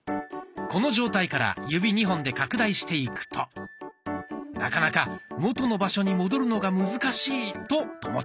この状態から指２本で拡大していくとなかなか元の場所に戻るのが難しいと友近さん。